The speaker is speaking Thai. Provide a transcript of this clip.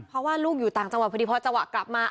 เพราะว่าลูกอยู่ต่างจังหวัดพอดีพอจังหวะกลับมา